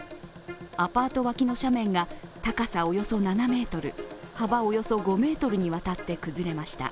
アパート脇の斜面が高さおよそ７ｍ幅およそ５ｍにわたって崩れました。